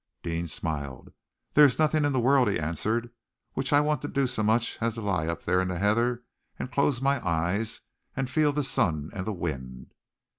Deane smiled. "There is nothing in the world," he answered, "which I want to do so much as to lie up there in the heather and close my eyes, and feel the sun and the wind."